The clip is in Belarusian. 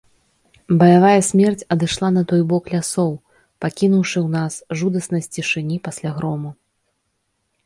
Баявая смерць адышла на той бок лясоў, пакінуўшы ў нас жудаснасць цішыні пасля грому.